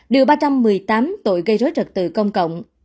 điều ba trăm một mươi tám tội gây rối trật tự công cộng